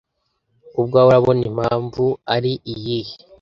ku bwawe urabona impamvu ari iyihe